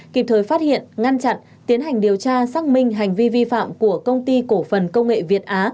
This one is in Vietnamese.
kịp thời phát hiện ngăn chặn tiến hành điều tra xác minh hành vi vi phạm của công ty cổ phần công nghệ việt á